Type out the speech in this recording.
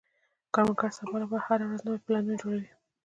کروندګر د سبا لپاره هره ورځ نوي پلانونه جوړوي